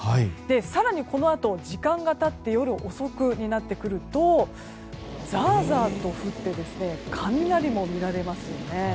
更に、このあと時間が経って夜遅くになってくるとザーザーと降って雷も見られますよね。